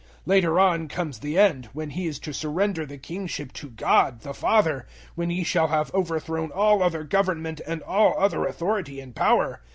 015:024 Later on, comes the End, when He is to surrender the Kingship to God, the Father, when He shall have overthrown all other government and all other authority and power.